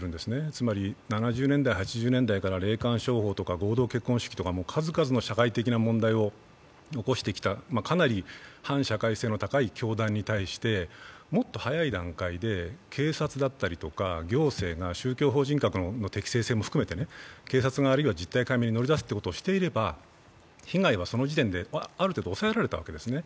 つまり７０年代８０年代から霊感商法とか合同結婚式など数々の社会的な問題を起こしてきた、かなり反社会的な性格の教団に対して、もっと早い段階で警察だったり行政が宗教法人の適正性を含めて警察が実態解明に乗り出すことをしていれば被害はその時点である程度抑えられたわけですね。